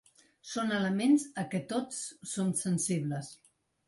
Són elements a què tots som sensibles.